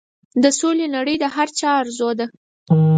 د سولې نړۍ د هر چا ارزو ده.